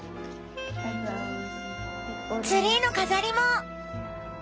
ツリーの飾りも。